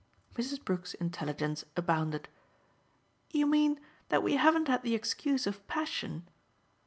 Mrs. Brook's intelligence abounded. "You mean that we haven't had the excuse of passion?"